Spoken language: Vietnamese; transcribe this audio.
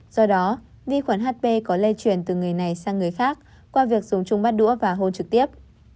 do đó vi khuẩn hp có lây truyền từ người này sang người khác qua việc dùng chung bát đũa và hôn trực tiếp